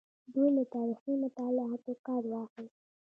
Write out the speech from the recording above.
دوی له تاریخي مطالعاتو کار واخیست.